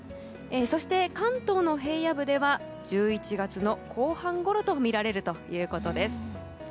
そして関東の平野部では１１月の後半ごろとみられるということです。